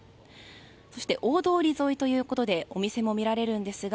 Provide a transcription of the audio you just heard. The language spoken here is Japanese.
そして、大通り沿いということでお店も見られるんですが